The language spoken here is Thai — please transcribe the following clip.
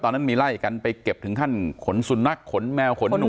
ตอนนั้นมีไล่กันไปเก็บถึงขั้นขนสุนัขขนแมวขนนม